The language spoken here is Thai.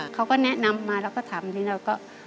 เขาก็แนะนำมาแล้วก็ถามจริงเราก็